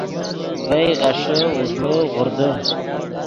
ڤئے غیݰے اوݱڑے غوردے